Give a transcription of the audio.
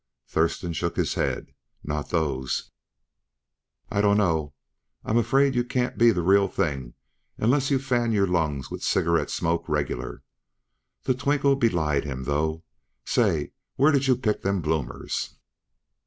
Thurston shook his head. "Not those." "I dunno I'm afraid yuh can't be the real thing unless yuh fan your lungs with cigarette smoke regular." The twinkle belied him, though. "Say, where did you pick them bloomers?"